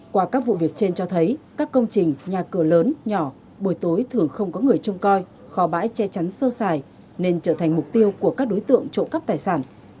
qua các vụ việc trên cho thấy các công trình nhà cửa lớn nhỏ buổi tối thường không có người trông coi kho bãi che chắn sơ xài nên trở thành mục tiêu của các đối tượng trộm cắp tài sản